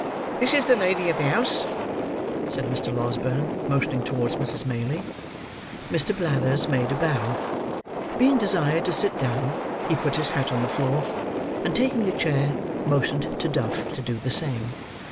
"This is the lady of the house," said Mr. Losberne, motioning towards Mrs. Maylie. Mr. Blathers made a bow. Being desired to sit down, he put his hat on the floor, and taking a chair, motioned to Duff to do the same.